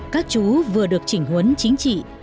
các chú vừa được chỉnh huấn chính trị